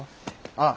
ああ。